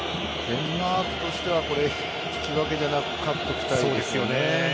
デンマークとしては引き分けじゃなく勝っておきたいですよね。